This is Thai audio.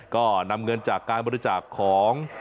ก็นำเงินจากการบริจาคของ